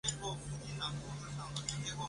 西藏噶厦的决定遭到中央政府的反对。